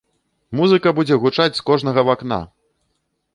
Музыка будзе гучаць з кожнага вакна!